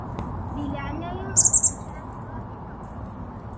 Di leɛnaya-m xdem kra n tɣawsa.